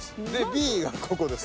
Ｂはここです。